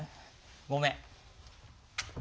ごめん。